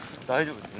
大丈夫！